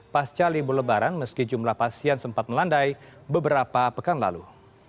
pasca libur lebaran meski jumlah pasien sempat melandai beberapa pekan lalu